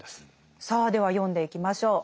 さあでは読んでいきましょう。